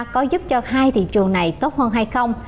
có giúp cho hai thị trường này tốt hơn hay không